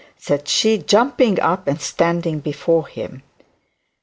said she, jumping up and standing before him.